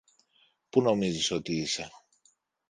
που νομίζεις ότι είσαι